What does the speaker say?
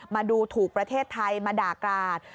มาดูถูกประเทศไทยมาด่ากราศ